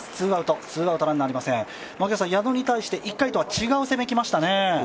矢野に対して１回とは違う攻めに来ましたね。